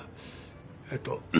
えっと。